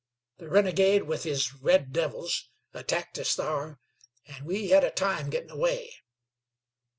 The renegade, with his red devils, attacked us thar, an' we had a time gittin' away.